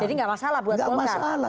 jadi gak masalah buat golkar